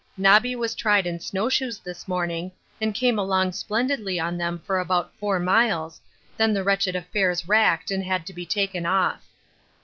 Nobby was tried in snowshoes this morning, and came along splendidly on them for about four miles, then the wretched affairs racked and had to be taken off.